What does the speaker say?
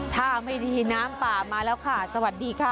ถ้าไม่ดีน้ำป่ามาแล้วค่ะสวัสดีค่ะ